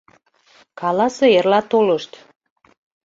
— Каласе, эрла толышт...